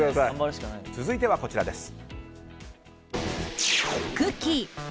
続いては、こちらです。